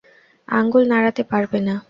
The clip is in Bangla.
আঙ্গুল নাড়াতে পারবে না?